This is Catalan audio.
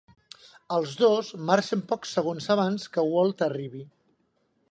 Els dos marxen pocs segons abans que Walt arribi.